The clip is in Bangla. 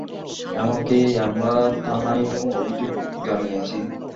এমনকি আমরা থানায়ায় অভিযোগও জানিয়েছি।